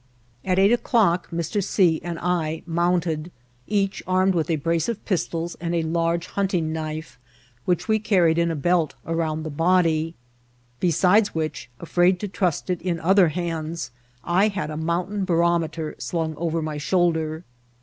^ At eight o'clock Mr. C. and I mounted, each armed with a brace of pistols and a large hunting knife, which we carried in a belt around the body ; besides which, afraid to trust it in other hands, I had a mountain ba rometer slung over my shoulder.